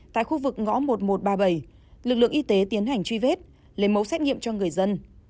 tại khu vực ngõ một nghìn một trăm ba mươi bảy lực lượng y tế tiến hành truy vết lấy mẫu xét nghiệm cho người dân